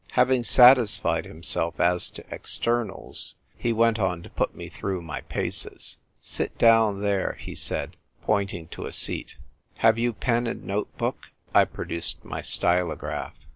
Having satisfied himself as to externals, he went on to put me through my paces. " S down there," he said, pointing to a scat. "Have you pen and note book?" I produced my stylograph.